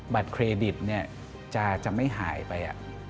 เครดิตจะไม่หายไป